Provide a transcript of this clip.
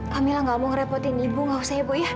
pamela nggak mau ngerepotin ibu nggak usah ya bu ya